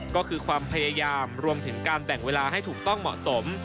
ก็คือความพยายามรวมถึงการแบ่งเวลาให้ถูกต้องเหมาะสม